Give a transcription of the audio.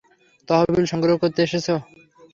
তহবিল সংগ্রহ করতে এসেছ?